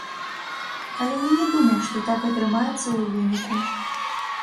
Але я не думаў, што так атрымаецца ў выніку.